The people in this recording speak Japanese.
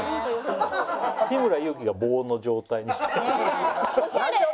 日村勇紀が棒の状態にしてオシャレ！